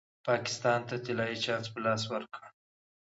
پاکستان ته طلايي چانس په لاس ورکړ.